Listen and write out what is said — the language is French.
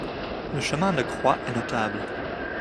Le chemin de croix est notable.